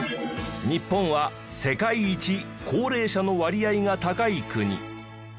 日本は世界一高齢者の割合が高い国。